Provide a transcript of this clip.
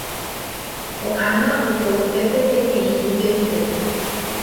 Koʼág̃a oiko upépe peteĩ ijoykeʼy.